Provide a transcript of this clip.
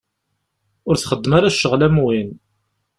Ur txeddem ara ccɣel am win.